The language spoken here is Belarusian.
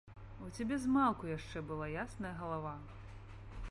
У цябе змалку яшчэ была ясная галава.